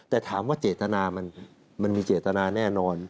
แต่ถามว่าเจตนามันมีเจตนาแน่นอน